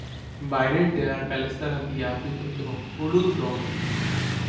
বাইরের দেয়াল পলেস্তারা দিয়ে আবৃত এবং হলুদ রঙের।